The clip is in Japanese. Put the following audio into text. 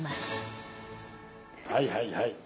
はいはいはい。